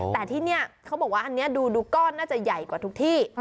แต่ที่นี่เขาบอกว่าอันนี้ดูก้อนน่าจะใหญ่กว่าทุกที่